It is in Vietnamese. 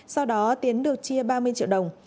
sau đó tiến được chia ba mươi triệu đồng